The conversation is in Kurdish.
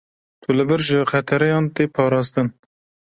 Tu li vir ji xetereyan tê parastin.